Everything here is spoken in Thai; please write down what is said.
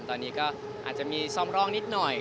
ตอนนี้ก็อาจจะมีซ่อมร่องนิดหน่อย